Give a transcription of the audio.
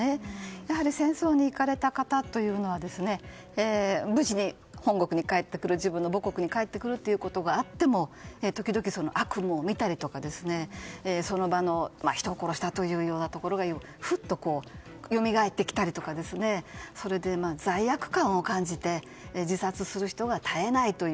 やはり戦争に行かれた方というのは無事に本国に帰ってくる自分の母国に帰ってくることがあっても時々、悪夢を見たりその場で人を殺したことがふっとよみがえってきたりとかそれで罪悪感を感じて自殺する人が絶えないという。